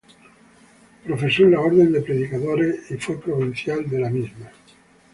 Profesó en la Orden de Predicadores y fue provincial de dicha Orden.